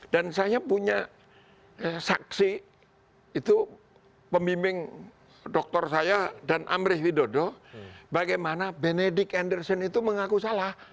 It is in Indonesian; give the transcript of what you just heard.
dan saya punya saksi itu pemiming doktor saya dan amri widodo bagaimana benedict anderson itu mengaku salah